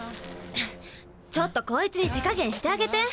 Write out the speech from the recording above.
ちょっとこいつに手加減してあげて！